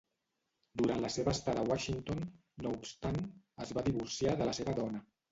Durant la seva estada a Washington, no obstant, es va divorciar de la seva dona.